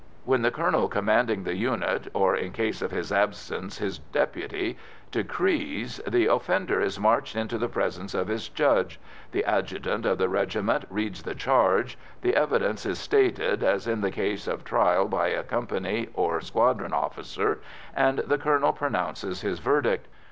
When the colonel commanding the unit or, in case of his absence, his deputy decrees, the offender is marched into the presence of his judge; the adjutant of the regiment reads the charge, the evidence is stated as in the case of trial by a company or squadron officer, and the colonel pronounces his verdict.